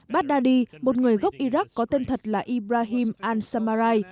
baghdadi một người gốc iraq có tên thật là ibrahim al samarai